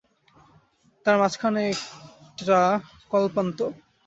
তার মাঝখানে একটা কল্পান্ত।